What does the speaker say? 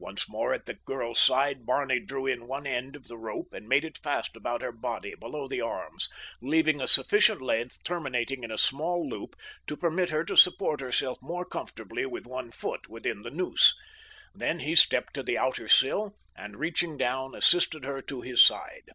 Once more at the girl's side Barney drew in one end of the rope and made it fast about her body below her arms, leaving a sufficient length terminating in a small loop to permit her to support herself more comfortably with one foot within the noose. Then he stepped to the outer sill, and reaching down assisted her to his side.